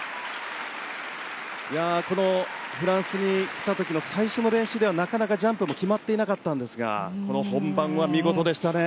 このフランスに来た時の最初の練習ではなかなかジャンプも決まっていなかったんですがこの本番は見事でしたね。